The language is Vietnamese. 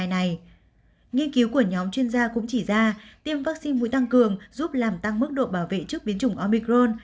nghiên cứu của nhóm chuyên gia cũng chỉ ra tiêm vaccine mũi tăng cường giúp làm tăng mức độ bảo vệ trước biến chủng omicron